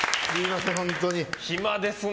暇ですね。